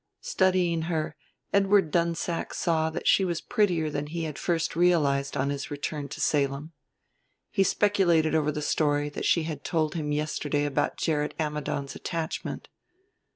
Studying her, Edward Dunsack saw that she was prettier than he had first realized on his return to Salem. He speculated over the story she had told him yesterday about Gerrit Ammidon's attachment.